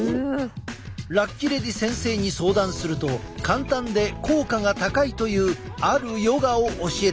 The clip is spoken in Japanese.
ラッキレディ先生に相談すると簡単で効果が高いというあるヨガを教えてくれた。